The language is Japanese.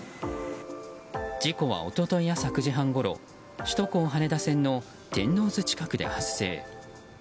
事故は一昨日朝９時半ごろ首都高羽田線の天王洲近くで発生。